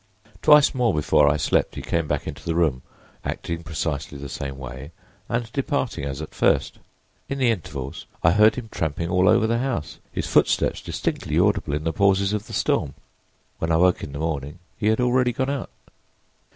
Twice more before I slept he came back into the room, acting precisely the same way, and departing as at first. In the intervals I heard him tramping all over the house, his footsteps distinctly audible in the pauses of the storm. When I woke in the morning he had already gone out."